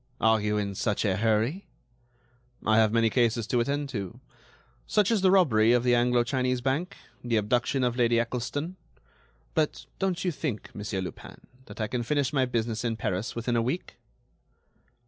"Are you in such a hurry?" "I have many cases to attend to; such as the robbery of the Anglo Chinese Bank, the abduction of Lady Eccleston.... But, don't you think, Monsieur Lupin, that I can finish my business in Paris within a week?"